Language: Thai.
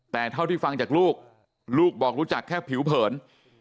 แต่เท่าที่ฟังจากลูกลูกบอกรู้จักแค่ผิวเผิน